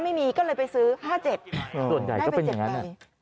๗๕ไม่มีก็เลยไปซื้อ๕๗ได้ไป๗ใบ